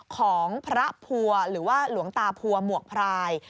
ของพระภัวหรือว่าหลวงตาพัวหมวกพราย